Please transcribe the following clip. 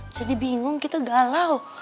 jadi bingung gitu galau